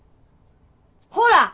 ほら！